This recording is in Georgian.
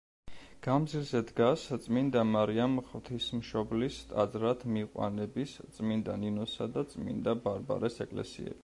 გამზირზე დგას წმინდა მარიამ ღვთისმშობლის ტაძრად მიყვანების, წმინდა ნინოსა და წმინდა ბარბარეს ეკლესიები.